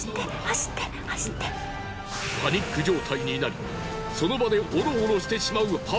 パニック状態になりその場でオロオロしてしまう母。